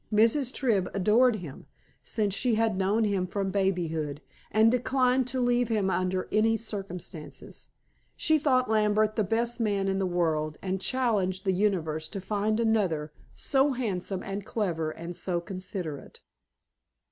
Mrs. Tribb adored him, since she had known him from babyhood, and declined to leave him under any circumstances. She thought Lambert the best man in the world, and challenged the universe to find another so handsome and clever, and so considerate.